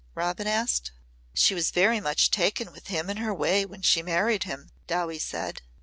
Robin asked. "She was very much taken with him in her way when she married him," Dowie said.